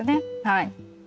はい。